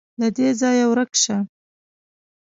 _له دې ځايه ورک شه.